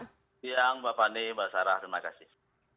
selamat siang mbak pani mbak sarah terima kasih